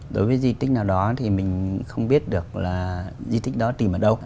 đối với di tích nào đó thì mình không biết được là di tích đó tìm ở đâu